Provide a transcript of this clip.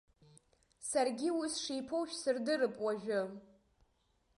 Саргьы уи сшиԥоу шәсырдырып уажәы.